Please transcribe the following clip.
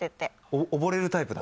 溺れるタイプだ。